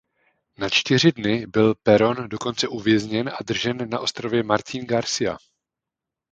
Na čtyři dny byl Perón dokonce uvězněn a držen na ostrově Martín García.